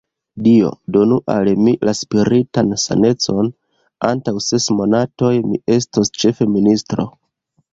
Dio donu al mi la spiritan sanecon: antaŭ ses monatoj, mi estos ĉefministro.